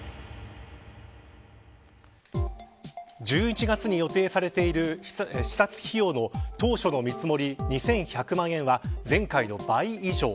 １１月に予定されている視察費用の当初の見積もり２１００万円は前回の倍以上。